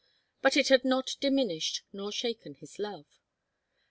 But it had not diminished nor shaken his love.